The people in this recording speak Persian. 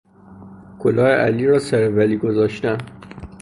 کلاه علی را سر ولی گذاشتن